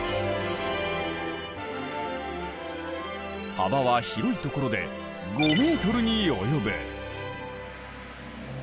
幅は広い所で５ｍに及ぶ。